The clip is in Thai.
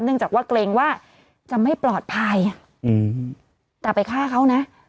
จากว่าเกรงว่าจะไม่ปลอดภัยแต่ไปฆ่าเขานะ